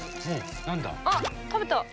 あっ食べた！